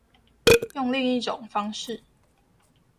用另一種方式